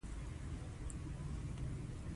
اوبه د خولې سوځېدنه ختموي.